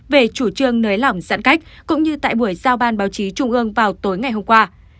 về chủ trương nới lỏng giãn cách cũng như tại buổi giao ban báo chí trung ương vào tối ngày hôm qua